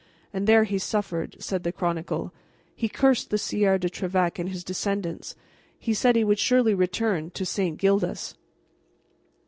"And before he suffered," said the Chronicle, "he cursed the Sieur de Trevec and his descendants, and he said he would surely return to St. Gildas.